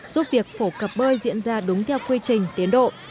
giúp việc phổ cập bơi diễn ra đúng theo quy trình tiến độ